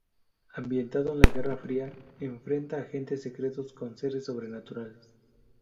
Ambientado en la "Guerra Fría", enfrenta agentes secretos con seres sobrenaturales.